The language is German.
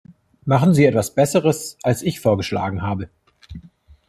Machen Sie etwas Besseres, als ich vorgeschlagen habe.